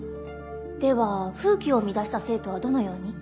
では風紀を乱した生徒はどのように？